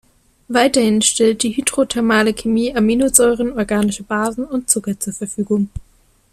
Weiterhin stellt die hydrothermale Chemie Aminosäuren, organische Basen und Zucker zur Verfügung.